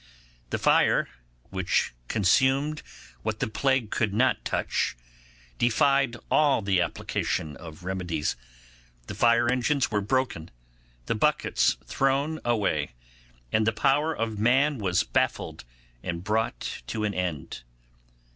The fire, which consumed what the plague could not touch, defied all the application of remedies; the fire engines were broken, the buckets thrown away, and the power of man was baffled and brought to an end.